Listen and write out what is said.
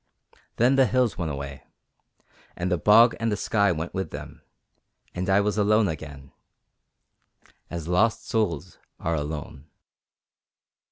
Then the hills went away, and the bog and the sky went with them, and I was alone again, as lost souls are alone.